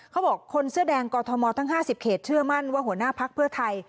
คนเสื้อแดงกอทมทั้ง๕๐เขตเชื่อมั่นว่าหัวหน้าพักเพื่อไทย